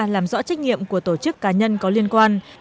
làm rõ trách nhiệm của tổ chức cá nhân có liên quan